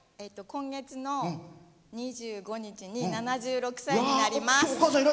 今月の２５日に７６歳になります。